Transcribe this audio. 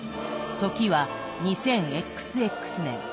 時は２０ＸＸ年。